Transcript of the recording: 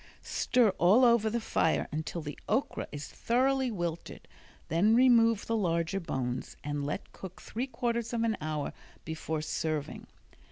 Stir all over the fire until the okra is thoroughly wilted then remove the larger bones and let cook three quarters of an hour before serving.